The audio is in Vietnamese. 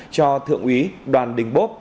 cho thượng úy đoàn đình bốp